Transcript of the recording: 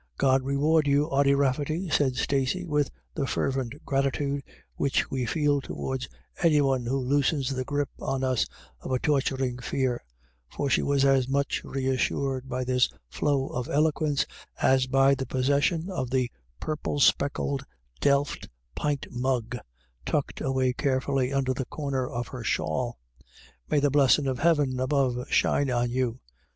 " God reward you, Ody Rafferty," said Stacey, with the fervent gratitude which we feel towards any one who loosens the grip on us of a torturing fear ; for she was as much reassured by his flow of eloquence as by the possession of the purple speckled delft pint mug, tucked away carefully under a corner of her shawl. u May the blessin' of Heaven above shine on you